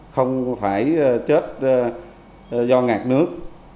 không phải chết do ngạc nước